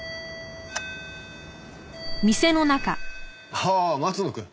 ああ松野くん。